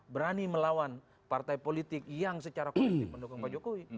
berani melawan partai politik yang secara kolektif mendukung pak jokowi